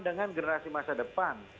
dengan generasi masa depan